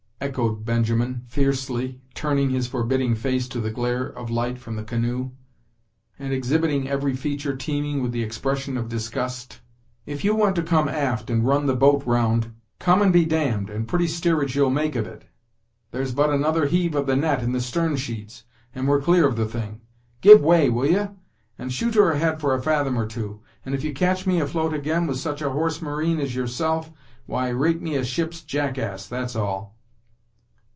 echoed Benjamin, fiercely, turning his forbidding face to the glare of light from the canoe, and exhibiting every feature teeming with the expression of disgust. "If you want to come aft and con the boat round, come and be damned, and pretty steerage you'll make of it. There's but another heave of the net in the stern sheets, and we're clear of the thing. Give way, will ye? and shoot her ahead for a fathom or two, and if you catch me afloat again with such a horse marine as yourself, why, rate me a ship's jackass, that's all."